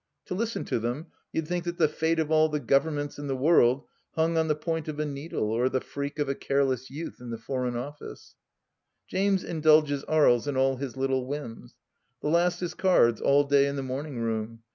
... To listen to them, you'd think that the fate of all the Governments in the world hung on the point of a needle or the freak of a careless youth in the Foreign Office 1 James indulges Aries in all his little whims; the last is cards, all day in the morning room.